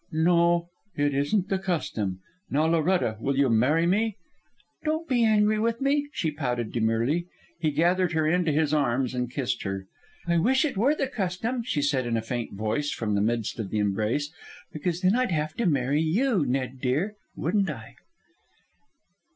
"No, it isn't the custom. Now, Loretta, will you marry me?" "Don't be angry with me," she pouted demurely. He gathered her into his arms and kissed her. "I wish it were the custom," she said in a faint voice, from the midst of the embrace, "because then I'd have to marry you, Ned dear... wouldn't I?"